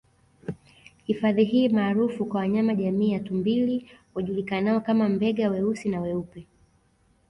Hifadhi hii maarufu kwa wanyama jamii ya tumbili wajulikanao kama Mbega weusi na weupe